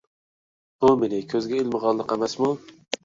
بۇ مېنى كۆزگە ئىلمىغانلىق ئەمەسمۇ!